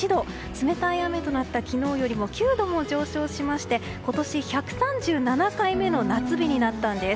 冷たい雨となった昨日よりも９度も上昇しまして今年１３７回目の夏日になったんです。